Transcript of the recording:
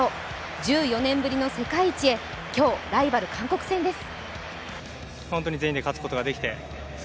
１４年ぶりの世界一へ今日、ライバル・韓国戦です。